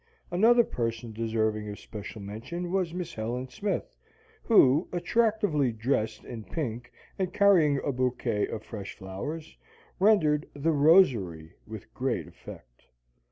Another person deserving of special mention was Miss Helen Smith, who, attractively dressed in pink and carrying a bouquet of fresh flowers, rendered "The Rosary" with great effect.